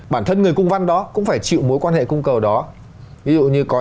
bản thân người cung văn đó cũng phải chịu mối quan hệ cung cầu đó